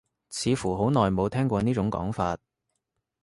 似乎好耐冇聽過呢種講法